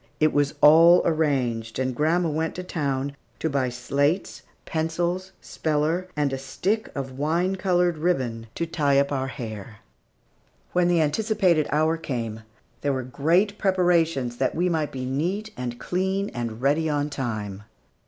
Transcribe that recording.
It was all arranged, and grandma went to town to buy slates, pencils, speller, and a stick of wine colored ribbon to tie up our hair. When the anticipated hour came, there were great preparations that we might be neat and clean and ready on time.